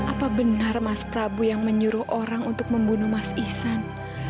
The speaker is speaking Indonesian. apa benar mas prabu yang menyuruh orang untuk membunuh mas isan